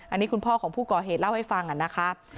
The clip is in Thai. อันนี้คุณพ่อของผู้ก่อเหตุเล่าให้ฟังนะคะ